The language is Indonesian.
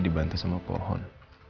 dibantu sama pohon